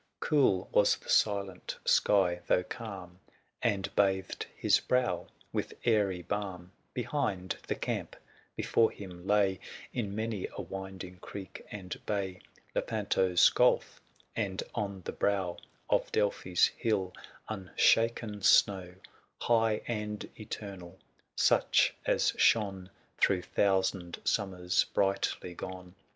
Cool was the silent sky, though calm, 315 And bathed his brow with airy balm : Behind, the camp— before him lay, In many a winding creek and bay, Lepanto's gulf; and, on the brow Of Delphi's hill, unshaken snow, 320 High and eternal, such as shone Through thousand summers brightly gone, 22 THE SIEGE OF CORINTH.